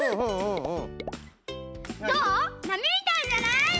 なみみたいじゃない？